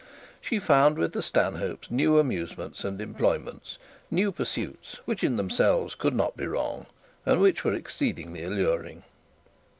She found with the Stanshopes new amusements and employments, new pursuits, which in themselves could not be wrong, and which were exceedingly alluring.